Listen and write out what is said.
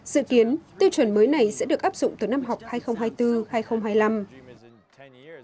dự kiến tiêu chuẩn mới này sẽ được áp dụng từ năm học hai nghìn hai mươi bốn hai nghìn hai mươi năm